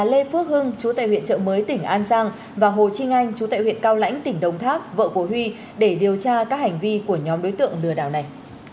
lê phước hưng chú tại huyện trợ mới tỉnh an giang và hồ trinh anh chú tại huyện cao lãnh tỉnh đồng tháp vợ của huy để điều tra các hành vi của nhóm đối tượng lừa đảo này